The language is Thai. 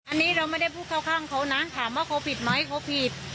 อันนี้เราไม่ได้พูดเข้าข้างเขานะถามว่าเขาผิดไหมเขาผิด